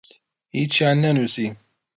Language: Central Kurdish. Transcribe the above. هیچیان نەنووسی.